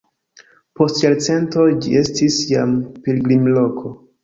Post jarcentoj ĝi estis jam pilgrimloko.